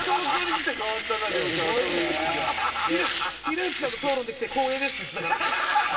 「ひろゆきさんと討論できて光栄です」って言ってたから。